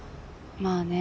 まあね。